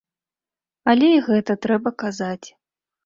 Але і гэта трэба казаць.